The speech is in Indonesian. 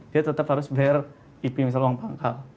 dia tetap harus bayar ip misalnya uang pangkal